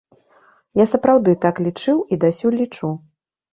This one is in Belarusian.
Я сапраўды так лічыў і дасюль лічу.